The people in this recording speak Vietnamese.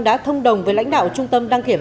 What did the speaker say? đã thông đồng với lãnh đạo trung tâm đăng kiểm